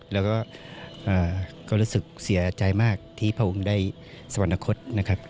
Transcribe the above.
แล้วก็รู้สึกเสียใจมากที่พระองค์ได้สวรรคตนะครับ